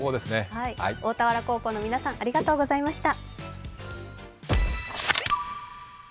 大田原高校の皆さん、ありがとうございました。